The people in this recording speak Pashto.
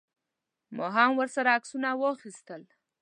ما هم ورسره عکسونه واخیستل.